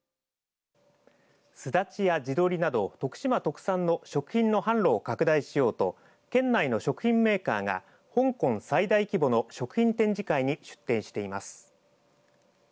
スダチや地鶏など徳島特産の食品の販路を拡大しようと県内の食品メーカーが香港最大規模の食品展示会に出展しています。